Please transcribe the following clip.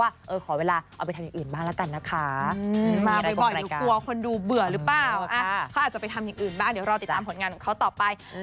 ที่จะเป็นที่รักของเราแล้วเราเป็นที่รักของเขาด้วย